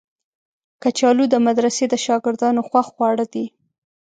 کچالو د مدرسې د شاګردانو خوښ خواړه دي